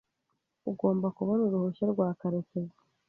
Ugomba kubona uruhushya rwa Karekezi.